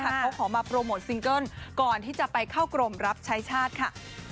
เขาขอมาโปรโมทซิงเกิ้ลก่อนที่จะไปเข้ากรมรับใช้ชาติค่ะ